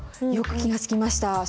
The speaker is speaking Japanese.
よく気が付きました。